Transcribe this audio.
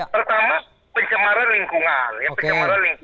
pertama pencemaran lingkungan